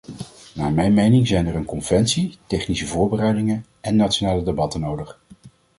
Naar mijn mening zijn er een conventie, technische voorbereidingen en nationale debatten nodig.